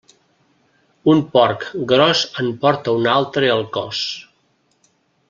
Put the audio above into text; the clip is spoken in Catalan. Un porc gros en porta un altre al cos.